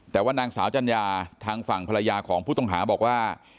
แต่ว่านางสาวจัญญาทางฝั่งภรรยาของผู้ต้องหาบอกว่า